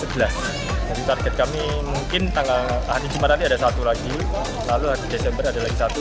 jadi target kami mungkin tanggal hari jumat nanti ada satu lagi lalu hari desember ada lagi satu